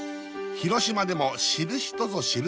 広島でも知る人ぞ知る存在